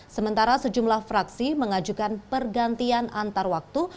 sementara sejumlah fraksi mengajukan pergantian antarwaktu